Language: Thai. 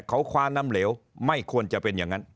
เขาคว้าน้ำเหลวไม่ควรจะเป็นอย่างนั้น